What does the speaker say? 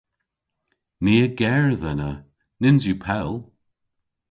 Ni a gerdh ena. Nyns yw pell.